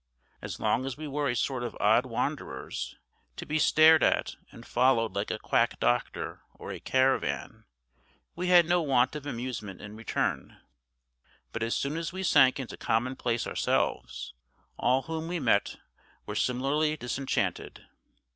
As long as we were a sort of odd wanderers, to be stared at and followed like a quack doctor or a caravan, we had no want of amusement in return; but as soon as we sank into commonplace ourselves, all whom we met were similarly disenchanted.